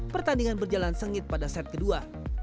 pertandingan berjalan sengit pada set kedua